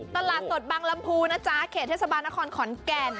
ตลาดสดบางลำพูนะจ๊ะเขตเทศบาลนครขอนแก่น